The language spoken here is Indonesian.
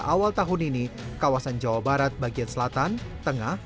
awal tahun ini kawasan jawa barat bagian selatan tengah